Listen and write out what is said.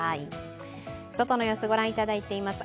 外の様子、御覧いただいています